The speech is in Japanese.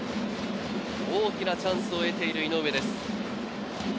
大きなチャンスを得ている井上です。